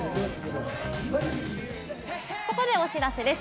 ここでお知らせです。